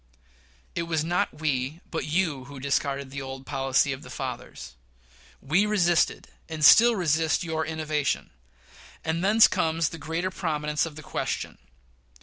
It was not we, but you, who discarded the old policy of the fathers. We resisted and still resist your innovation; and thence comes the greater prominence of the question.